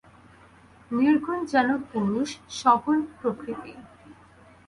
নির্গুণ যেন পুরুষ, সগুণ প্রকৃতি।